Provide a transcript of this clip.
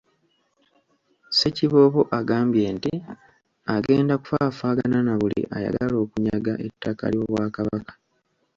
Ssekiboobo agambye nti agenda kufaafaagana na buli ayagala okunyaga ettaka ly’Obwakabaka.